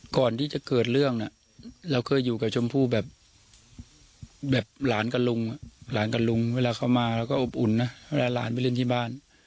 ก่อนที่จะเกิดเรื่องเราเคยอยู่กับชมพู่แบบหลานกับลุงหลานกับลุงเวลาเขามาเราก็อบอุ่นนะเวลาหลานไปเล่นที่บ้าน